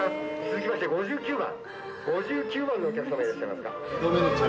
続きまして５９番、５９番のお客様、いらっしゃいますか。